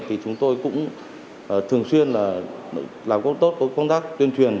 thì chúng tôi cũng thường xuyên là làm tốt công tác tuyên truyền